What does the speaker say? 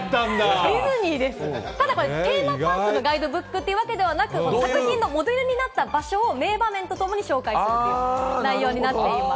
ただこれ、テーマパークのガイドブックというわけではなく、作品のモデルになった場所を名場面とともにご紹介する内容になっています。